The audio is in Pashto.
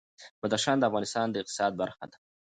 بدخشان د افغانستان د اقتصاد برخه ده.